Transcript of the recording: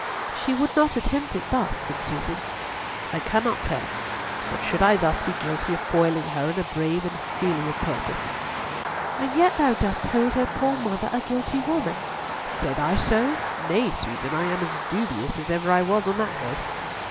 "She would not attempt it thus," said Susan. "I cannot tell; but I should thus be guilty of foiling her in a brave and filial purpose." "And yet thou dost hold her poor mother a guilty woman?" "Said I so? Nay, Susan, I am as dubious as ever I was on that head."